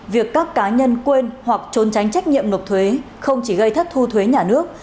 việc các cá nhân quên hoặc trốn tránh trách nhiệm nộp thuế không chỉ gây thất thu thuế nhà nước